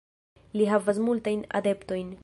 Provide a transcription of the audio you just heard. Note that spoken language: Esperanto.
Li havas multajn adeptojn.